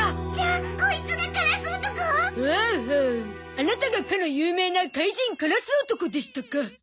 アナタがかの有名な怪人カラス男でしたか。